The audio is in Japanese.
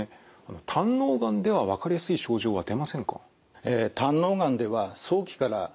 胆のうがんでは分かりやすい症状は出ませんか？